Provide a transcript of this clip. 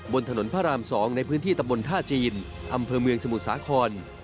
บนถนนพระราม๒ในพื้นที่ตำบลท่าจีนอำเภอเมืองสมุทรสาคร